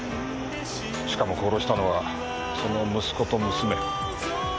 しかも殺したのはその息子と娘。